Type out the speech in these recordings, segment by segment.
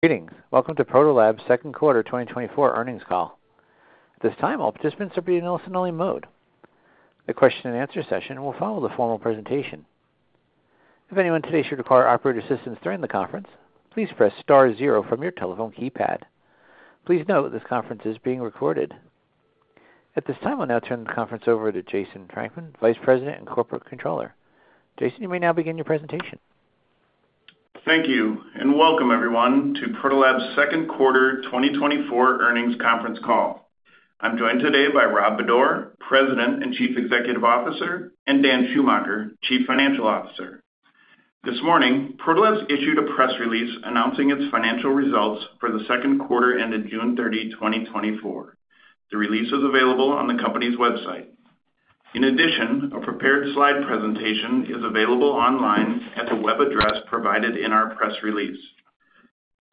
Greetings. Welcome to Protolabs' second quarter 2024 earnings call. At this time, all participants are being in listen-only mode. A question and answer session will follow the formal presentation. If anyone today should require operator assistance during the conference, please press star zero from your telephone keypad. Please note, this conference is being recorded. At this time, I'll now turn the conference over to Jason Frankman, Vice President and Corporate Controller. Jason, you may now begin your presentation. Thank you, and welcome everyone, to Protolabs' second quarter 2024 earnings conference call. I'm joined today by Rob Bodor, President and Chief Executive Officer, and Dan Schumacher, Chief Financial Officer. This morning, Protolabs issued a press release announcing its financial results for the second quarter ended June 30, 2024. The release is available on the company's website. In addition, a prepared slide presentation is available online at the web address provided in our press release.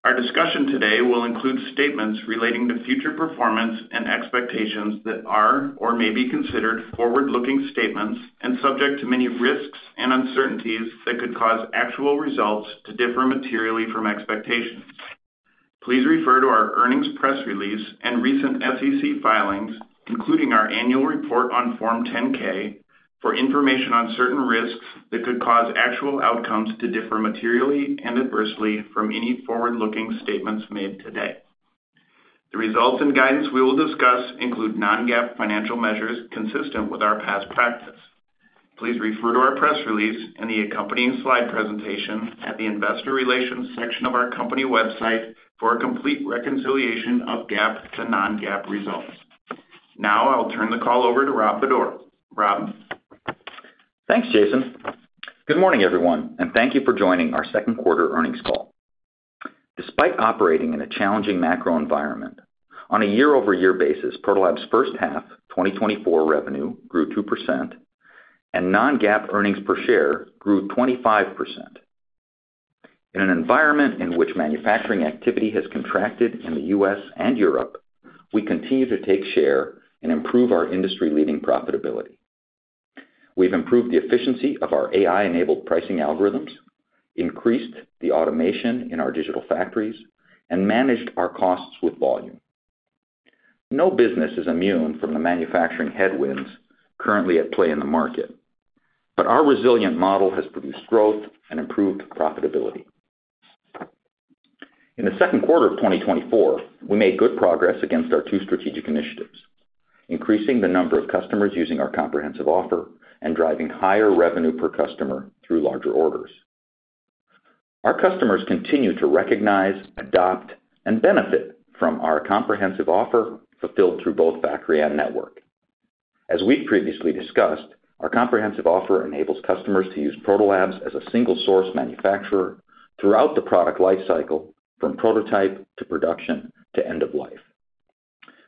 Our discussion today will include statements relating to future performance and expectations that are or may be considered forward-looking statements and subject to many risks and uncertainties that could cause actual results to differ materially from expectations. Please refer to our earnings press release and recent SEC filings, including our annual report on Form 10-K for information on certain risks that could cause actual outcomes to differ materially and adversely from any forward-looking statements made today. The results and guidance we will discuss include non-GAAP financial measures consistent with our past practice. Please refer to our press release and the accompanying slide presentation at the investor relations section of our company website for a complete reconciliation of GAAP to non-GAAP results. Now I'll turn the call over to Rob Bodor. Rob? Thanks, Jason. Good morning, everyone, and thank you for joining our second quarter earnings call. Despite operating in a challenging macro environment, on a year-over-year basis, Protolabs' first half 2024 revenue grew 2%, and non-GAAP earnings per share grew 25%. In an environment in which manufacturing activity has contracted in the U.S. and Europe, we continue to take share and improve our industry-leading profitability. We've improved the efficiency of our AI-enabled pricing algorithms, increased the automation in our digital factories, and managed our costs with volume. No business is immune from the manufacturing headwinds currently at play in the market, but our resilient model has produced growth and improved profitability. In the second quarter of 2024, we made good progress against our two strategic initiatives, increasing the number of customers using our comprehensive offer and driving higher revenue per customer through larger orders. Our customers continue to recognize, adopt, and benefit from our comprehensive offer, fulfilled through both factory and network. As we've previously discussed, our comprehensive offer enables customers to use Protolabs as a single-source manufacturer throughout the product lifecycle, from prototype to production to end of life.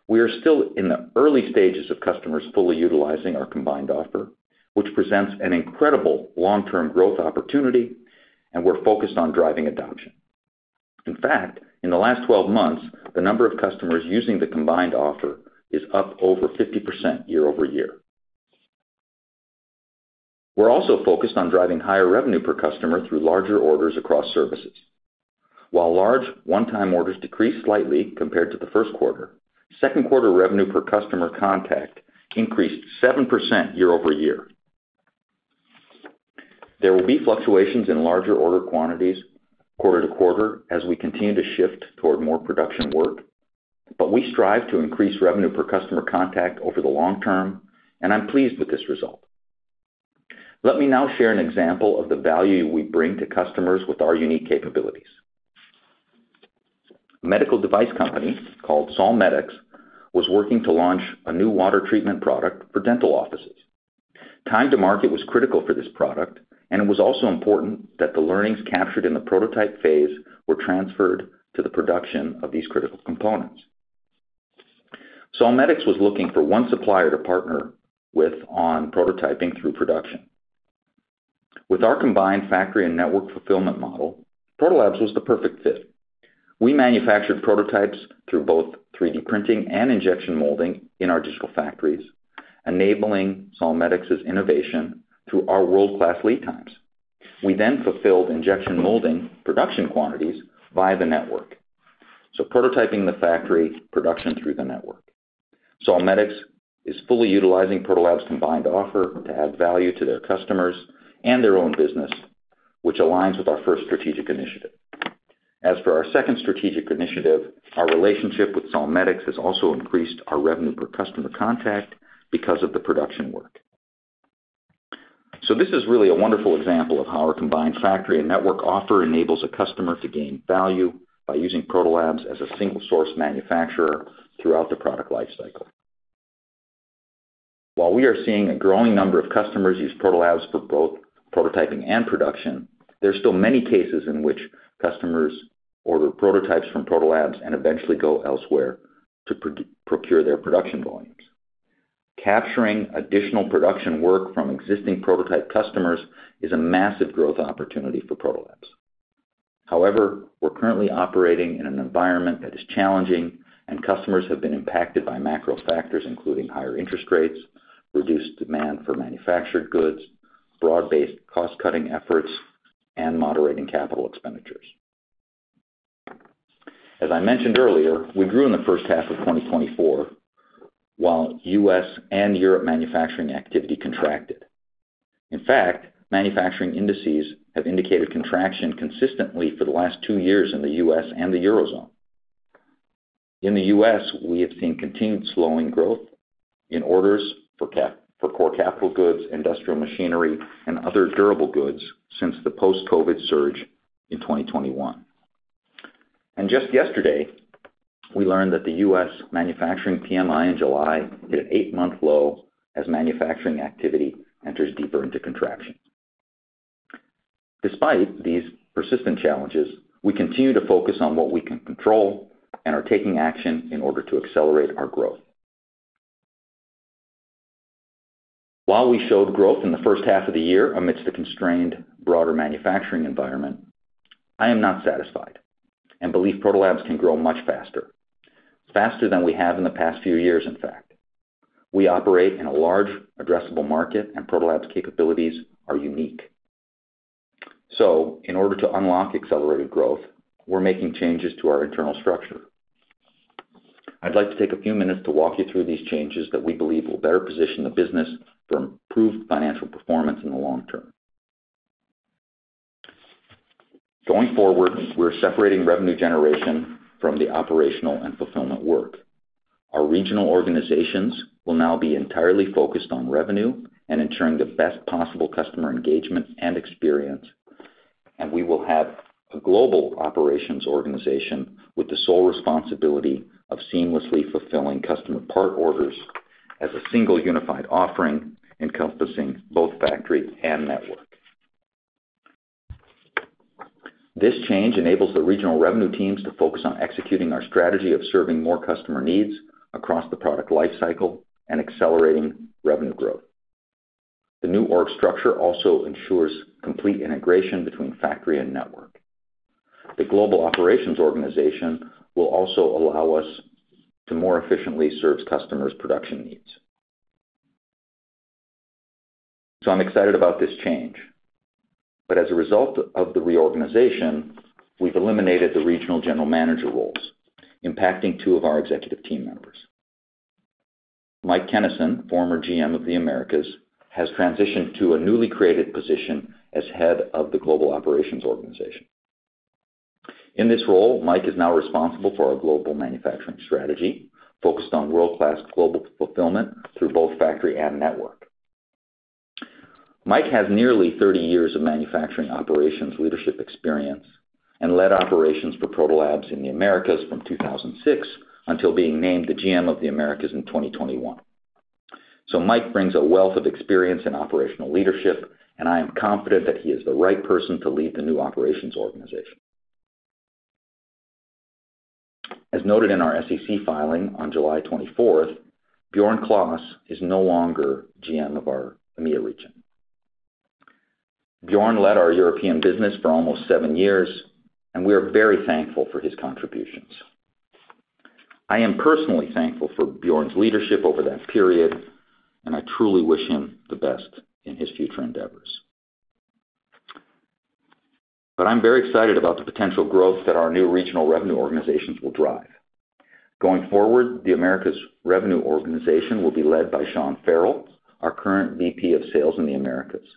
We are still in the early stages of customers fully utilizing our combined offer, which presents an incredible long-term growth opportunity, and we're focused on driving adoption. In fact, in the last 12 months, the number of customers using the combined offer is up over 50% year-over-year. We're also focused on driving higher revenue per customer through larger orders across services. While large one-time orders decreased slightly compared to the first quarter, second quarter revenue per customer contact increased 7% year-over-year. There will be fluctuations in larger order quantities quarter to quarter as we continue to shift toward more production work, but we strive to increase revenue per customer contact over the long term, and I'm pleased with this result. Let me now share an example of the value we bring to customers with our unique capabilities. A medical device company called Solmetex was working to launch a new water treatment product for dental offices. Time to market was critical for this product, and it was also important that the learnings captured in the prototype phase were transferred to the production of these critical components. Solmetex was looking for one supplier to partner with on prototyping through production. With our combined factory and network fulfillment model, Protolabs was the perfect fit. We manufactured prototypes through both 3D printing and injection molding in our digital factories, enabling Solmetex's innovation through our world-class lead times. We then fulfilled injection molding production quantities via the network. So prototyping the factory, production through the network. Solmetex is fully utilizing Protolabs' combined offer to add value to their customers and their own business, which aligns with our first strategic initiative. As for our second strategic initiative, our relationship with Solmetex has also increased our revenue per customer contact because of the production work. So this is really a wonderful example of how our combined factory and network offer enables a customer to gain value by using Protolabs as a single source manufacturer throughout the product lifecycle. While we are seeing a growing number of customers use Protolabs for both prototyping and production, there are still many cases in which customers order prototypes from Protolabs and eventually go elsewhere to procure their production volumes. Capturing additional production work from existing prototype customers is a massive growth opportunity for Protolabs. However, we're currently operating in an environment that is challenging, and customers have been impacted by macro factors, including higher interest rates, reduced demand for manufactured goods, broad-based cost-cutting efforts, and moderating capital expenditures. As I mentioned earlier, we grew in the first half of 2024, while U.S. and Europe manufacturing activity contracted. In fact, manufacturing indices have indicated contraction consistently for the last two years in the U.S. and the Eurozone. In the U.S., we have seen continued slowing growth in orders for core capital goods, industrial machinery, and other durable goods since the post-COVID surge in 2021. Just yesterday, we learned that the U.S. manufacturing PMI in July hit an 8-month low as manufacturing activity enters deeper into contraction. Despite these persistent challenges, we continue to focus on what we can control and are taking action in order to accelerate our growth. While we showed growth in the first half of the year amidst the constrained broader manufacturing environment, I am not satisfied and believe Protolabs can grow much faster, faster than we have in the past few years, in fact. We operate in a large addressable market, and Protolabs capabilities are unique. In order to unlock accelerated growth, we're making changes to our internal structure. I'd like to take a few minutes to walk you through these changes that we believe will better position the business for improved financial performance in the long term. Going forward, we're separating revenue generation from the operational and fulfillment work. Our regional organizations will now be entirely focused on revenue and ensuring the best possible customer engagement and experience, and we will have a global operations organization with the sole responsibility of seamlessly fulfilling customer part orders as a single unified offering, encompassing both factory and network. This change enables the regional revenue teams to focus on executing our strategy of serving more customer needs across the product lifecycle and accelerating revenue growth. The new org structure also ensures complete integration between factory and network. The global operations organization will also allow us to more efficiently serve customers' production needs. So I'm excited about this change. But as a result of the reorganization, we've eliminated the regional general manager roles, impacting two of our executive team members. Mike Kenison, former GM of the Americas, has transitioned to a newly created position as head of the global operations organization. In this role, Mike is now responsible for our global manufacturing strategy, focused on world-class global fulfillment through both factory and network. Mike has nearly 30 years of manufacturing operations leadership experience, and led operations for Protolabs in the Americas from 2006 until being named the GM of the Americas in 2021. So Mike brings a wealth of experience in operational leadership, and I am confident that he is the right person to lead the new operations organization. As noted in our SEC filing on July 24th, Bjoern Klaas is no longer GM of our EMEA region. Bjoern led our European business for almost seven years, and we are very thankful for his contributions. I am personally thankful for Bjoern's leadership over that period, and I truly wish him the best in his future endeavors. But I'm very excited about the potential growth that our new regional revenue organizations will drive. Going forward, the Americas revenue organization will be led by Sean Farrell, our current VP of sales in the Americas.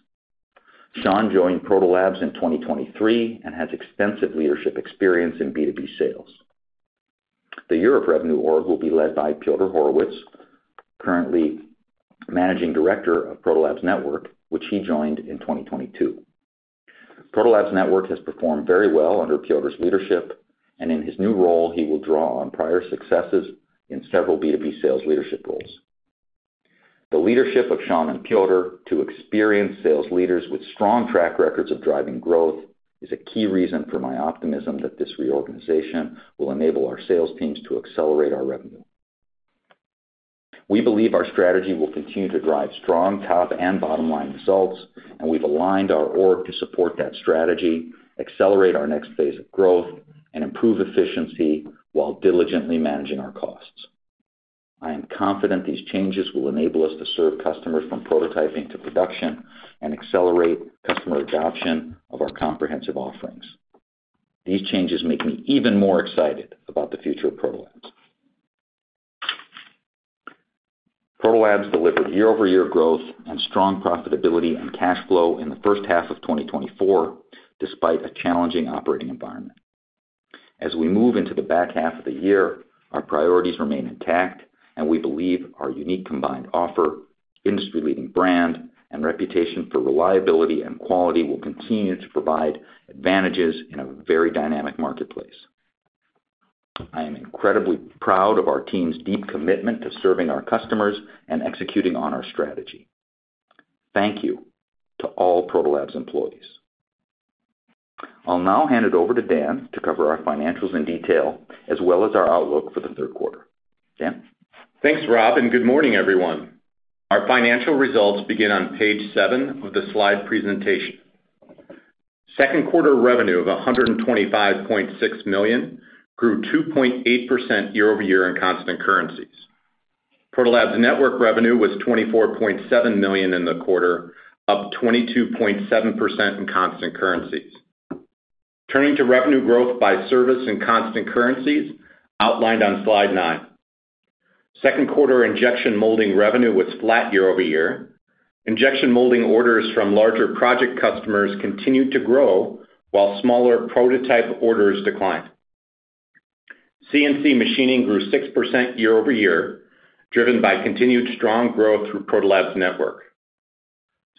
Sean joined Protolabs in 2023 and has extensive leadership experience in B2B sales. The Europe Revenue org will be led by Pjotr Horowitz, currently Managing Director of Protolabs Network, which he joined in 2022. Protolabs Network has performed very well under Pjotr's leadership, and in his new role, he will draw on prior successes in several B2B sales leadership roles. The leadership of Sean and Piotr, two experienced sales leaders with strong track records of driving growth, is a key reason for my optimism that this reorganization will enable our sales teams to accelerate our revenue. We believe our strategy will continue to drive strong top and bottom-line results, and we've aligned our org to support that strategy, accelerate our next phase of growth, and improve efficiency while diligently managing our costs. I am confident these changes will enable us to serve customers from prototyping to production and accelerate customer adoption of our comprehensive offerings. These changes make me even more excited about the future of Protolabs. Protolabs delivered year-over-year growth and strong profitability and cash flow in the first half of 2024, despite a challenging operating environment. As we move into the back half of the year, our priorities remain intact, and we believe our unique combined offer, industry-leading brand, and reputation for reliability and quality will continue to provide advantages in a very dynamic marketplace. I am incredibly proud of our team's deep commitment to serving our customers and executing on our strategy. Thank you to all Protolabs employees. I'll now hand it over to Dan to cover our financials in detail, as well as our outlook for the third quarter. Dan? Thanks, Rob, and good morning, everyone. Our financial results begin on page 7 of the slide presentation. Second quarter revenue of $125.6 million grew 2.8% year-over-year in constant currencies. Protolabs Network revenue was $24.7 million in the quarter, up 22.7% in constant currencies. Turning to revenue growth by service and constant currencies outlined on slide 9. Second quarter injection molding revenue was flat year-over-year. Injection molding orders from larger project customers continued to grow, while smaller prototype orders declined. CNC machining grew 6% year-over-year, driven by continued strong growth through Protolabs Network.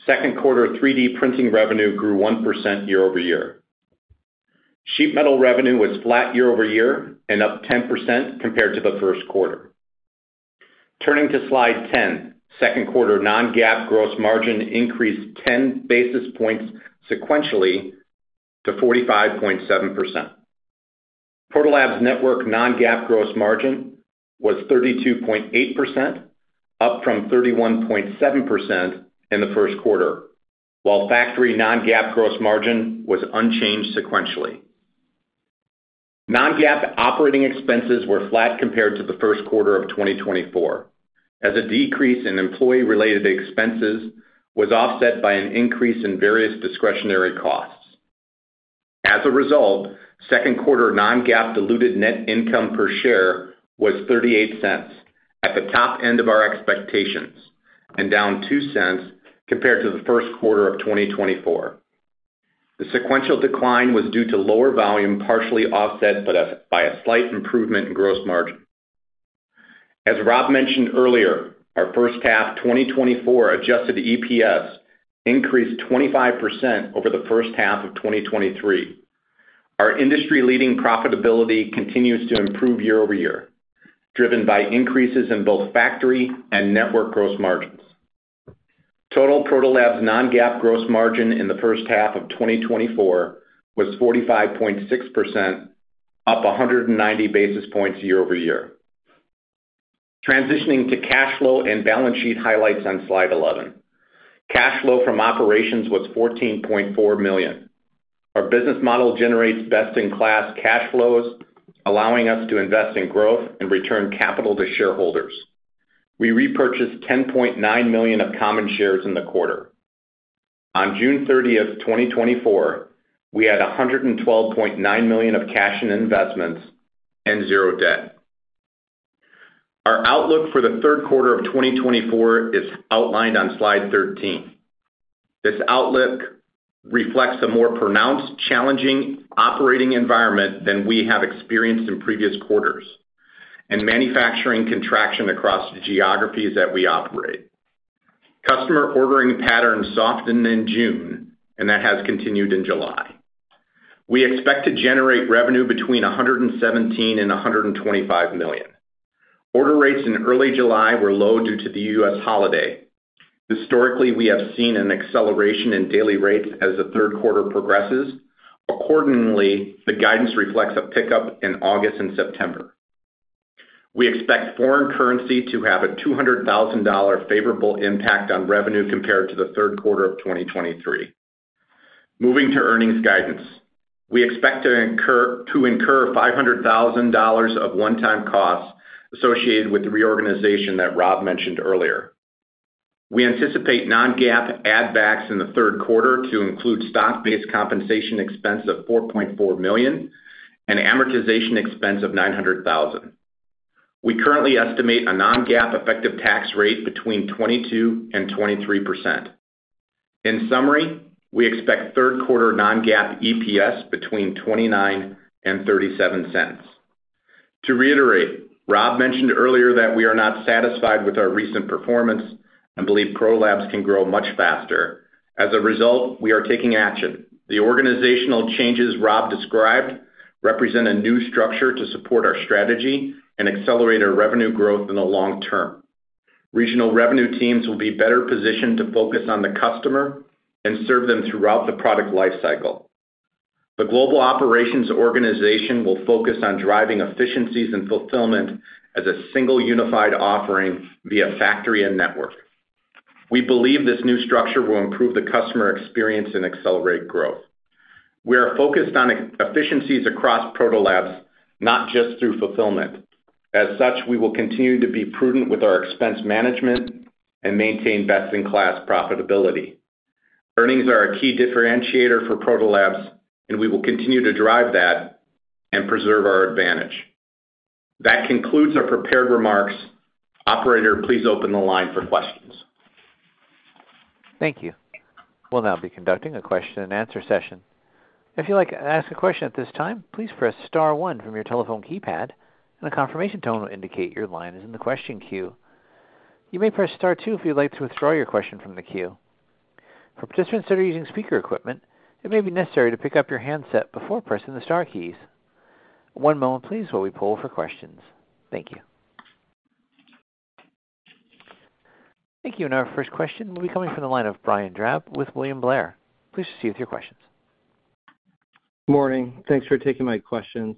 Second quarter 3D printing revenue grew 1% year-over-year. Sheet metal revenue was flat year-over-year and up 10% compared to the first quarter. Turning to slide 10. Second quarter Non-GAAP gross margin increased 10 basis points sequentially to 45.7%. Protolabs Network Non-GAAP gross margin was 32.8%, up from 31.7% in the first quarter, while factory Non-GAAP gross margin was unchanged sequentially. Non-GAAP operating expenses were flat compared to the first quarter of 2024, as a decrease in employee-related expenses was offset by an increase in various discretionary costs. As a result, second quarter Non-GAAP diluted net income per share was $0.38, at the top end of our expectations, and down $0.02 compared to the first quarter of 2024. The sequential decline was due to lower volume, partially offset by a slight improvement in gross margin. As Rob mentioned earlier, our first half 2024 adjusted the EPS increased 25% over the first half of 2023. Our industry-leading profitability continues to improve year-over-year, driven by increases in both factory and network gross margins. Total Protolabs non-GAAP gross margin in the first half of 2024 was 45.6%, up 190 basis points year-over-year. Transitioning to cash flow and balance sheet highlights on slide 11. Cash flow from operations was $14.4 million. Our business model generates best-in-class cash flows, allowing us to invest in growth and return capital to shareholders. We repurchased $10.9 million of common shares in the quarter. On June 30, 2024, we had $112.9 million of cash and investments and 0 debt. Our outlook for the third quarter of 2024 is outlined on slide 13. This outlook reflects a more pronounced, challenging operating environment than we have experienced in previous quarters, and manufacturing contraction across the geographies that we operate. Customer ordering patterns softened in June, and that has continued in July. We expect to generate revenue between $117 million and $125 million. Order rates in early July were low due to the U.S. holiday. Historically, we have seen an acceleration in daily rates as the third quarter progresses. Accordingly, the guidance reflects a pickup in August and September. We expect foreign currency to have a $200,000 favorable impact on revenue compared to the third quarter of 2023. Moving to earnings guidance. We expect to incur $500,000 of one-time costs associated with the reorganization that Rob mentioned earlier. We anticipate non-GAAP add-backs in the third quarter to include stock-based compensation expense of $4.4 million and amortization expense of $900,000. We currently estimate a non-GAAP effective tax rate between 22% and 23%. In summary, we expect third quarter non-GAAP EPS between $0.29 and $0.37. To reiterate, Rob mentioned earlier that we are not satisfied with our recent performance and believe Protolabs can grow much faster. As a result, we are taking action. The organizational changes Rob described represent a new structure to support our strategy and accelerate our revenue growth in the long term. Regional revenue teams will be better positioned to focus on the customer and serve them throughout the product life cycle. The global operations organization will focus on driving efficiencies and fulfillment as a single unified offering via factory and network. We believe this new structure will improve the customer experience and accelerate growth. We are focused on e-efficiencies across Protolabs, not just through fulfillment. As such, we will continue to be prudent with our expense management and maintain best-in-class profitability. Earnings are a key differentiator for Protolabs, and we will continue to drive that and preserve our advantage. That concludes our prepared remarks. Operator, please open the line for questions. Thank you. We'll now be conducting a question and answer session. If you'd like to ask a question at this time, please press star one from your telephone keypad, and a confirmation tone will indicate your line is in the question queue. You may press star two if you'd like to withdraw your question from the queue. For participants that are using speaker equipment, it may be necessary to pick up your handset before pressing the star keys. One moment please, while we poll for questions. Thank you. Thank you. Our first question will be coming from the line of Brian Drab with William Blair. Please proceed with your questions. Morning. Thanks for taking my questions.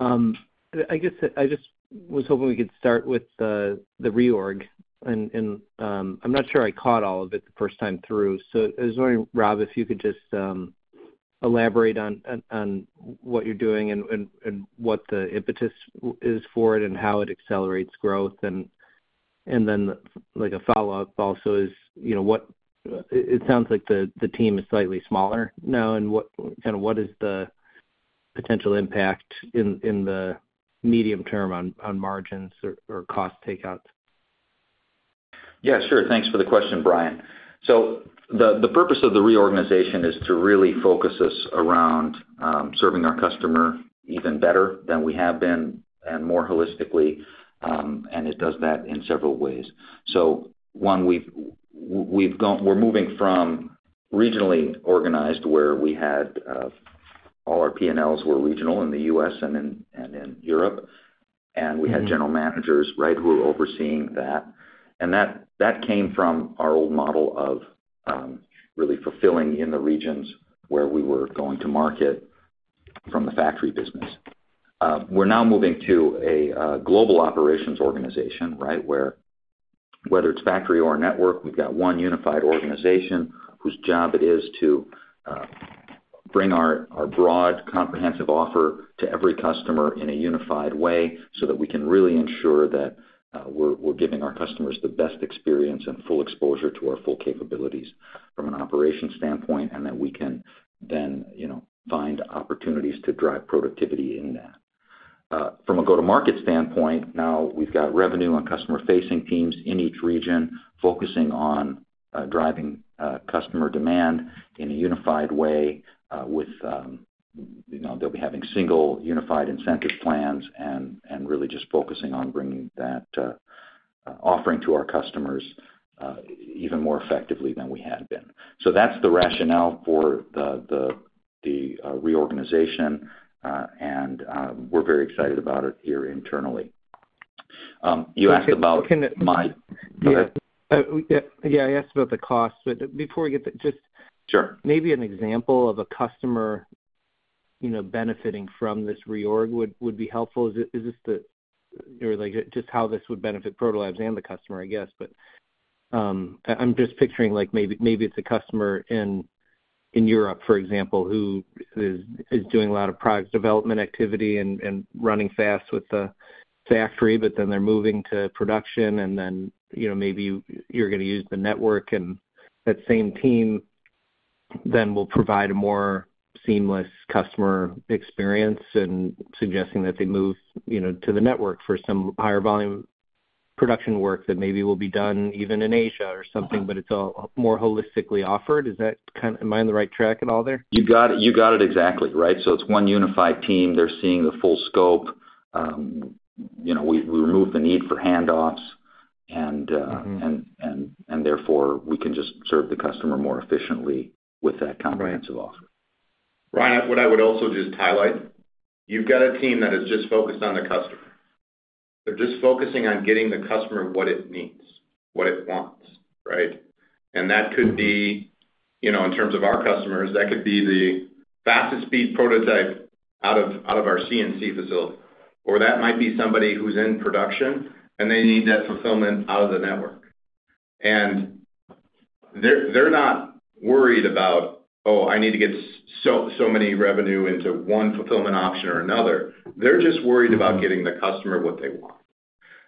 I guess I just was hoping we could start with the reorg, and I'm not sure I caught all of it the first time through. So I was wondering, Rob, if you could just elaborate on what you're doing and what the impetus is for it and how it accelerates growth. And then, like, a follow-up also is, you know, what it sounds like the team is slightly smaller now, and kind of what is the potential impact in the medium term on margins or cost takeouts? Yeah, sure. Thanks for the question, Brian. So the purpose of the reorganization is to really focus us around serving our customer even better than we have been and more holistically, and it does that in several ways. So one, we're moving from regionally organized, where we had all our PNLs were regional in the U.S. and in Europe, and we had general managers, right, who were overseeing that. And that came from our old model of really fulfilling in the regions where we were going to market from the factory business. We're now moving to a global operations organization, right? Whether it's factory or network, we've got one unified organization whose job it is to bring our broad, comprehensive offer to every customer in a unified way, so that we can really ensure that we're giving our customers the best experience and full exposure to our full capabilities from an operations standpoint, and that we can then, you know, find opportunities to drive productivity in that. From a go-to-market standpoint, now we've got revenue on customer-facing teams in each region, focusing on driving customer demand in a unified way, with you know, they'll be having single, unified incentive plans and really just focusing on bringing that offering to our customers even more effectively than we had been. So that's the rationale for the reorganization, and we're very excited about it here internally. you asked about my- Can, can, uh- Go ahead. Yeah, yeah, I asked about the cost, but before we get there, just- Sure. Maybe an example of a customer, you know, benefiting from this reorg would be helpful. Is this the... Or, like, just how this would benefit Protolabs and the customer, I guess. But, I'm just picturing, like, maybe it's a customer in Europe, for example, who is doing a lot of product development activity and running fast with the factory, but then they're moving to production, and then, you know, maybe you're gonna use the network. And that same team then will provide a more seamless customer experience and suggesting that they move, you know, to the network for some higher volume production work that maybe will be done even in Asia or something- Uh-huh. but it's all more holistically offered. Is that kind... Am I on the right track at all there? You got it, you got it exactly, right. So it's one unified team. They're seeing the full scope. You know, we remove the need for handoffs, and- Mm-hmm... therefore, we can just serve the customer more efficiently with that- Right - comprehensive offer. Brian, what I would also just highlight, you've got a team that is just focused on the customer. They're just focusing on getting the customer what it needs, what it wants, right? Mm-hmm. And that could be, you know, in terms of our customers, that could be the fastest speed prototype out of our CNC facility, or that might be somebody who's in production, and they need that fulfillment out of the network. And they're not worried about, oh, I need to get so many revenue into one fulfillment option or another. They're just worried about getting the customer what they want.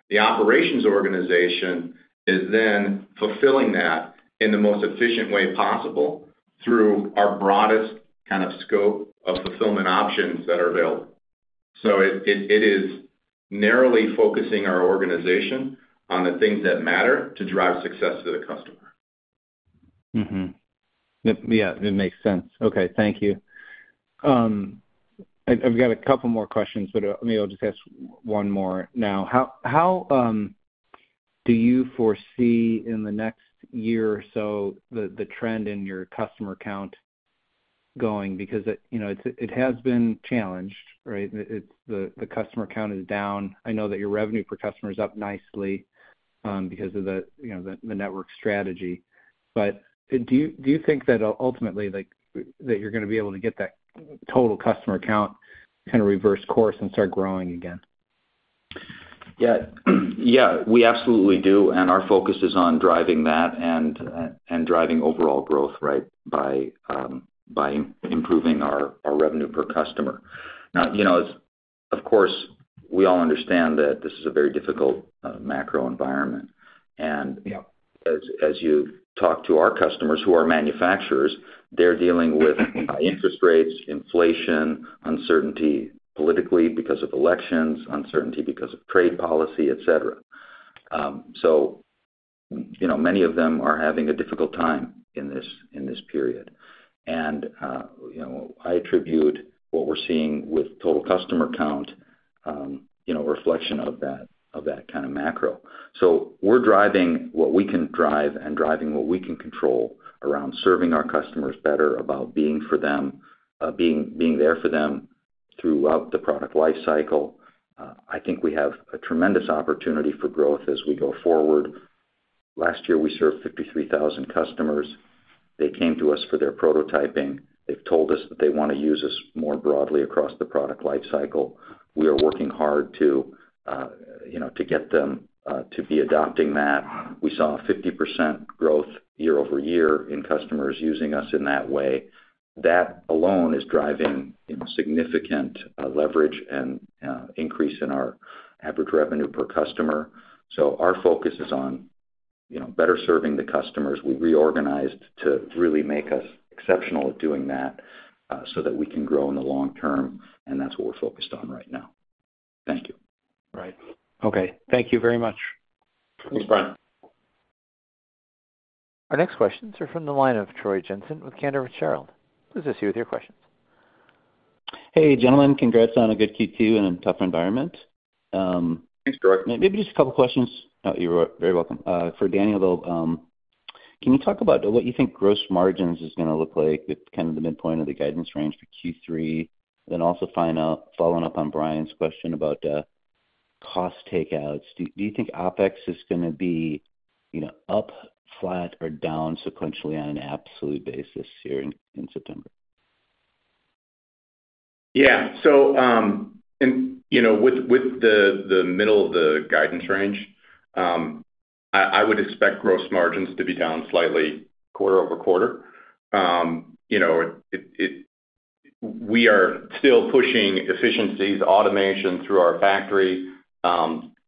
The operations organization is then fulfilling that in the most efficient way possible through our broadest kind of scope of fulfillment options that are available. So it is narrowly focusing our organization on the things that matter to drive success to the customer. Mm-hmm. Yep. Yeah, it makes sense. Okay, thank you. I've got a couple more questions, but maybe I'll just ask one more now. How do you foresee in the next year or so, the trend in your customer count going? Because, you know, it has been challenged, right? The customer count is down. I know that your revenue per customer is up nicely, because of, you know, the network strategy. But do you think that ultimately, like, that you're gonna be able to get that total customer count kind of reverse course and start growing again? Yeah. Yeah, we absolutely do, and our focus is on driving that and, and driving overall growth, right, by, by improving our, our revenue per customer. Mm. Now, you know, of course, we all understand that this is a very difficult, macro environment. And- Yep... as you talk to our customers who are manufacturers, they're dealing with- Mm-hmm... interest rates, inflation, uncertainty politically because of elections, uncertainty because of trade policy, et cetera. So, you know, many of them are having a difficult time in this, in this period. And, you know, I attribute what we're seeing with total customer count, you know, a reflection of that, of that kind of macro. So we're driving what we can drive and driving what we can control around serving our customers better, about being for them, being, being there for them throughout the product life cycle. I think we have a tremendous opportunity for growth as we go forward.... Last year, we served 53,000 customers. They came to us for their prototyping. They've told us that they want to use us more broadly across the product life cycle. We are working hard to, you know, to get them to be adopting that. We saw a 50% growth year-over-year in customers using us in that way. That alone is driving significant leverage and increase in our average revenue per customer. So our focus is on, you know, better serving the customers. We reorganized to really make us exceptional at doing that, so that we can grow in the long term, and that's what we're focused on right now. Thank you. Right. Okay, thank you very much. Thanks, Brian. Our next questions are from the line of Troy Jensen with Cantor Fitzgerald. Please proceed with your questions. Hey, gentlemen. Congrats on a good Q2 in a tough environment. Thanks, Troy. Maybe just a couple of questions. Oh, you're very welcome. For Daniel, though, can you talk about what you think gross margins is gonna look like at kind of the midpoint of the guidance range for Q3? Then also find out, following up on Brian's question about cost takeouts, do you think OpEx is gonna be, you know, up, flat, or down sequentially on an absolute basis here in September? Yeah. So, you know, with the middle of the guidance range, I would expect gross margins to be down slightly quarter-over-quarter. You know, it. We are still pushing efficiencies, automation through our factory,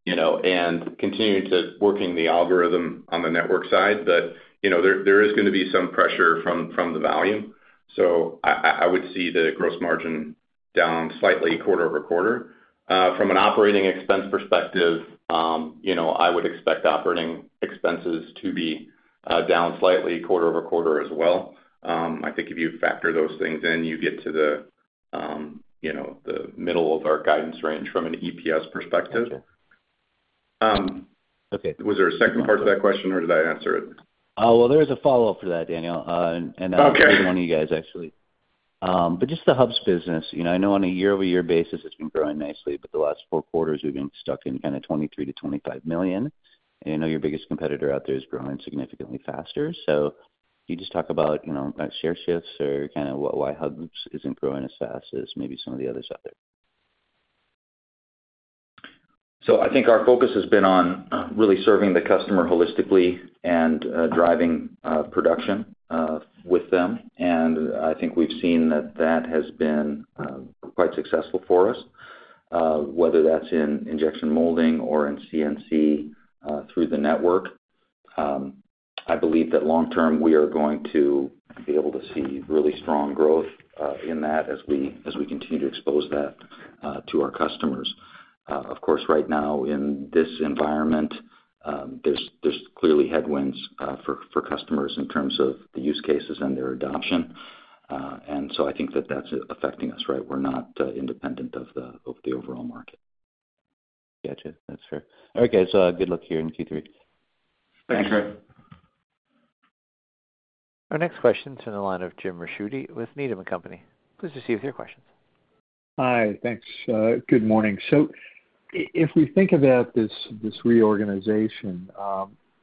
you know, and continuing to working the algorithm on the network side. But, you know, there is gonna be some pressure from the volume. So I would see the gross margin down slightly quarter-over-quarter. From an operating expense perspective, you know, I would expect operating expenses to be down slightly quarter-over-quarter as well. I think if you factor those things in, you get to the middle of our guidance range from an EPS perspective. Got you. Okay. Was there a second part to that question, or did I answer it? Well, there was a follow-up to that, Daniel, and- Okay. That one of you guys, actually. But just the Hubs business, you know, I know on a year-over-year basis, it's been growing nicely, but the last four quarters, we've been stuck in kinda $23 million-$25 million. I know your biggest competitor out there is growing significantly faster. So can you just talk about, you know, about share shifts or kinda why Hubs isn't growing as fast as maybe some of the others out there? So I think our focus has been on really serving the customer holistically and driving production with them. I think we've seen that that has been quite successful for us whether that's in injection molding or in CNC through the network. I believe that long term, we are going to be able to see really strong growth in that as we continue to expose that to our customers. Of course, right now, in this environment, there's clearly headwinds for customers in terms of the use cases and their adoption. And so I think that that's affecting us, right? We're not independent of the overall market. Gotcha. That's fair. Okay, so, good luck here in Q3. Thanks, Troy. Thank you. Our next question is in the line of Jim Ricchiuti with Needham & Company. Please proceed with your questions. Hi, thanks. Good morning. So if we think about this, this reorganization,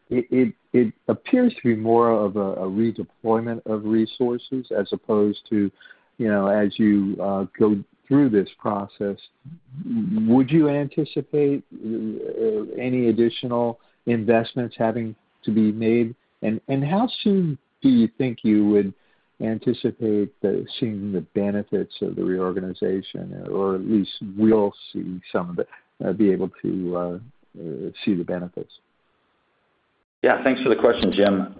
it appears to be more of a redeployment of resources as opposed to, you know, as you go through this process, would you anticipate any additional investments having to be made? And how soon do you think you would anticipate seeing the benefits of the reorganization, or at least we'll see some of the... be able to see the benefits? Yeah, thanks for the question, Jim.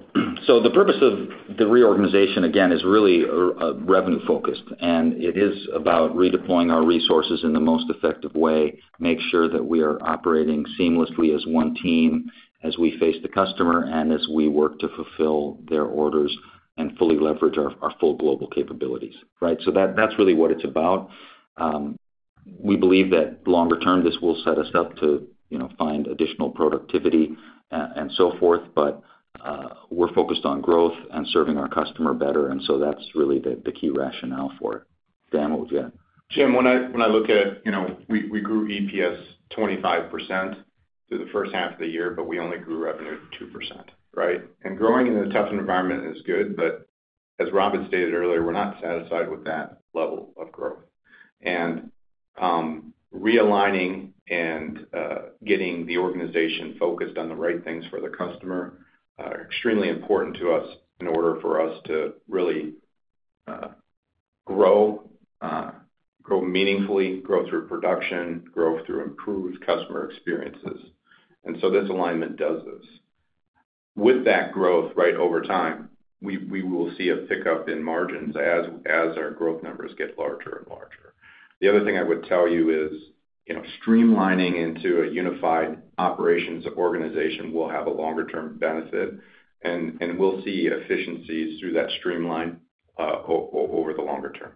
So the purpose of the reorganization, again, is really revenue-focused, and it is about redeploying our resources in the most effective way, make sure that we are operating seamlessly as one team, as we face the customer and as we work to fulfill their orders and fully leverage our full global capabilities. Right? So that's really what it's about. We believe that longer term, this will set us up to, you know, find additional productivity and so forth, but we're focused on growth and serving our customer better, and so that's really the key rationale for it. Dan, what would you add? Jim, when I look at... You know, we grew EPS 25% through the first half of the year, but we only grew revenue 2%, right? And growing in a tougher environment is good, but as Rob stated earlier, we're not satisfied with that level of growth. And realigning and getting the organization focused on the right things for the customer are extremely important to us in order for us to really grow meaningfully, grow through production, grow through improved customer experiences. And so this alignment does this. With that growth, right, over time, we will see a pickup in margins as our growth numbers get larger and larger. The other thing I would tell you is, you know, streamlining into a unified operations organization will have a longer-term benefit, and we'll see efficiencies through that streamline over the longer term.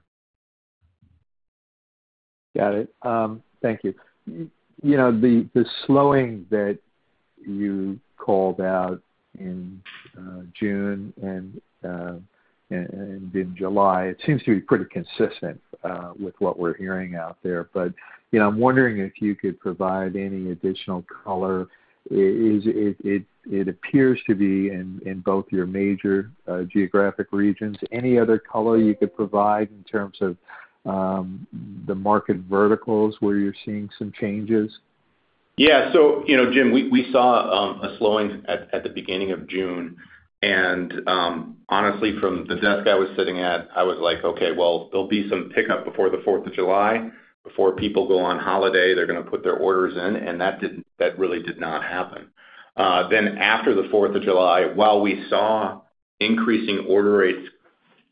Got it. Thank you. You know, the slowing that you called out in June and in July. It seems to be pretty consistent with what we're hearing out there. But, you know, I'm wondering if you could provide any additional color. It appears to be in both your major geographic regions. Any other color you could provide in terms of the market verticals where you're seeing some changes? Yeah. So, you know, Jim, we saw a slowing at the beginning of June, and, honestly, from the desk I was sitting at, I was like: Okay, well, there'll be some pickup before the Fourth of July. Before people go on holiday, they're gonna put their orders in, and that really did not happen. Then after the Fourth of July, while we saw increasing order rates,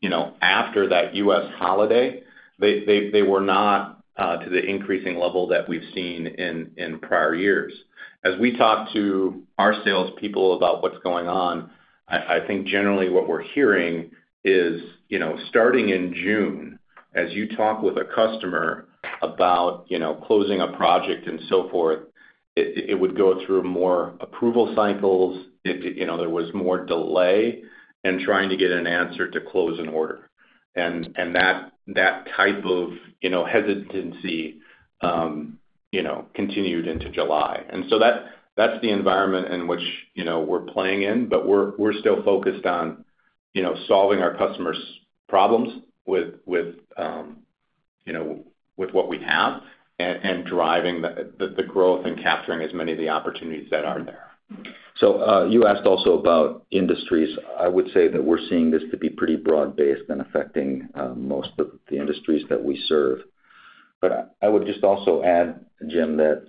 you know, after that U.S. holiday, they were not to the increasing level that we've seen in prior years. As we talk to our salespeople about what's going on, I think generally what we're hearing is, you know, starting in June, as you talk with a customer about, you know, closing a project and so forth, it would go through more approval cycles. It, you know, there was more delay in trying to get an answer to close an order. And that type of, you know, hesitancy, you know, continued into July. And so that's the environment in which, you know, we're playing in, but we're still focused on, you know, solving our customers' problems with, you know, with what we have, and driving the growth and capturing as many of the opportunities that are there. So, you asked also about industries. I would say that we're seeing this to be pretty broad-based and affecting most of the industries that we serve. But I would just also add, Jim, that,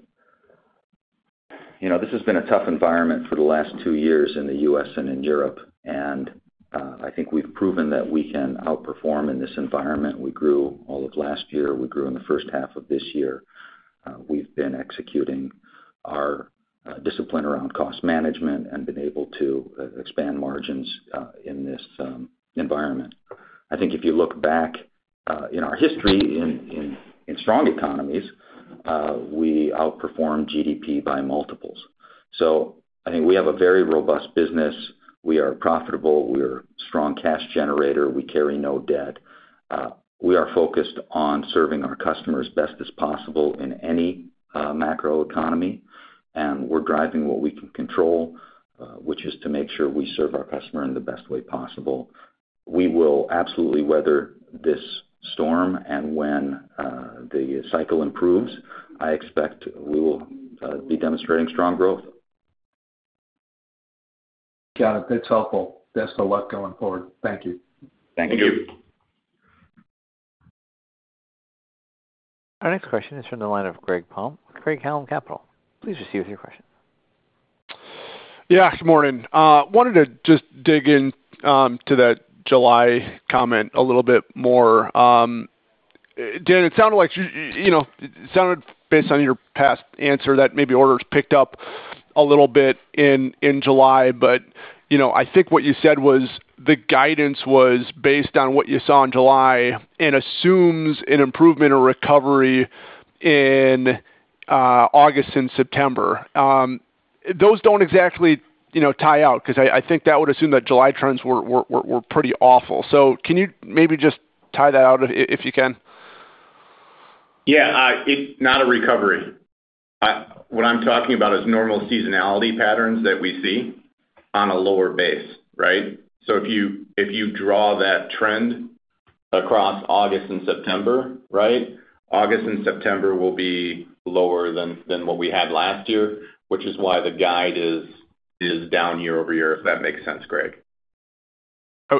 you know, this has been a tough environment for the last two years in the U.S. and in Europe, and I think we've proven that we can outperform in this environment. We grew all of last year. We grew in the first half of this year. We've been executing our discipline around cost management and been able to expand margins in this environment. I think if you look back in our history, in strong economies, we outperform GDP by multiples. So I think we have a very robust business. We are profitable, we are a strong cash generator, we carry no debt. We are focused on serving our customers as best as possible in any macroeconomy, and we're driving what we can control, which is to make sure we serve our customer in the best way possible. We will absolutely weather this storm, and when the cycle improves, I expect we will be demonstrating strong growth. Got it. That's helpful. Best of luck going forward. Thank you. Thank you. Thank you. Our next question is from the line of Greg Palm, Craig-Hallum Capital. Please proceed with your question. Yeah, good morning. Wanted to just dig in to that July comment a little bit more. Dan, it sounded like you, you know... It sounded, based on your past answer, that maybe orders picked up a little bit in July, but, you know, I think what you said was the guidance was based on what you saw in July and assumes an improvement or recovery in August and September. Those don't exactly, you know, tie out, 'cause I think that would assume that July trends were pretty awful. So can you maybe just tie that out, if you can? Yeah. It's not a recovery. What I'm talking about is normal seasonality patterns that we see on a lower base, right? So if you, if you draw that trend across August and September, right, August and September will be lower than, than what we had last year, which is why the guide is, is down year-over-year, if that makes sense, Greg.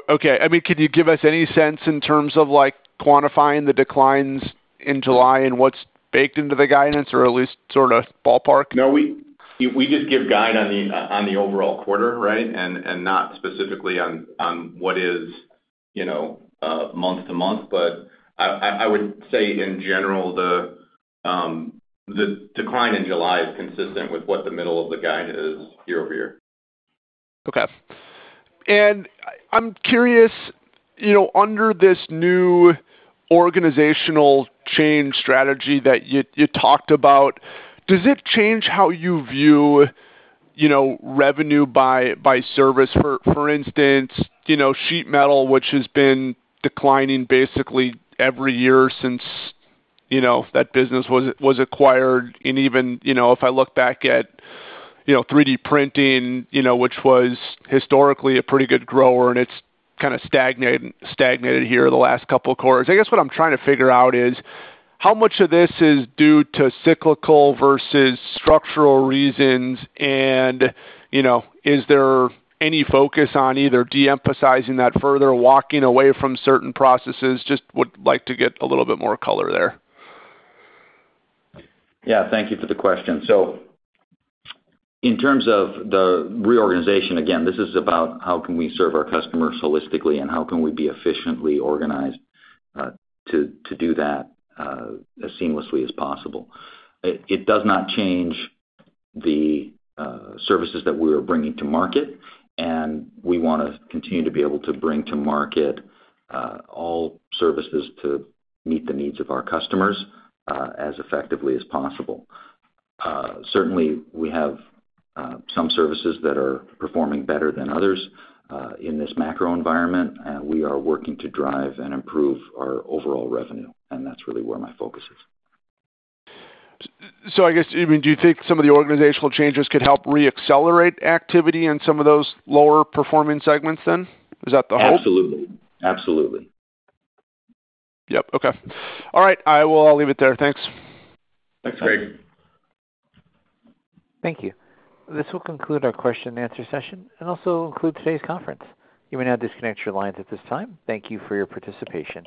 Okay. I mean, could you give us any sense in terms of, like, quantifying the declines in July and what's baked into the guidance or at least sort of ballpark? No, we just give guide on the overall quarter, right, and not specifically on what is, you know, month-to-month. But I would say in general, the decline in July is consistent with what the middle of the guide is year-over-year. Okay. I'm curious, you know, under this new organizational change strategy that you talked about, does it change how you view, you know, revenue by service? For instance, you know, sheet metal, which has been declining basically every year since, you know, that business was acquired, and even, you know, if I look back at, you know, 3D printing, you know, which was historically a pretty good grower, and it's kind of stagnated here the last couple of quarters. I guess what I'm trying to figure out is, how much of this is due to cyclical versus structural reasons? And, you know, is there any focus on either de-emphasizing that further, walking away from certain processes? Just would like to get a little bit more color there. Yeah, thank you for the question. So in terms of the reorganization, again, this is about how can we serve our customers holistically, and how can we be efficiently organized to do that as seamlessly as possible. It does not change the services that we are bringing to market, and we want to continue to be able to bring to market all services to meet the needs of our customers as effectively as possible. Certainly, we have some services that are performing better than others in this macro environment, and we are working to drive and improve our overall revenue, and that's really where my focus is. So I guess, I mean, do you think some of the organizational changes could help reaccelerate activity in some of those lower-performing segments then? Is that the hope? Absolutely. Absolutely. Yep, okay. All right, I will leave it there. Thanks. Thanks, Greg. Thank you. This will conclude our question and answer session and also conclude today's conference. You may now disconnect your lines at this time. Thank you for your participation.